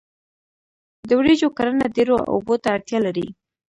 د وریجو کرنه ډیرو اوبو ته اړتیا لري.